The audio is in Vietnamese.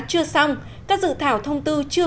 chưa xong các dự thảo thông tư chưa